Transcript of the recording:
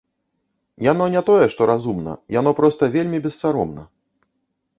Яно не тое што разумна, яно проста вельмі бессаромна.